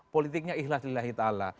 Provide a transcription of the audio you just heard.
politiknya ihlas lillahi ta'ala